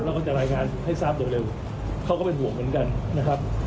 ก็จะรายงานให้ทราบโดยเร็วเขาก็เป็นห่วงเหมือนกันนะครับ